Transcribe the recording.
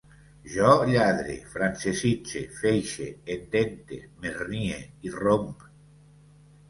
Jo lladre, francesitze, feixe, endente, m'hernie, irromp